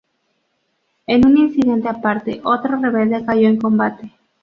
En un incidente aparte, otro rebelde cayó en combate.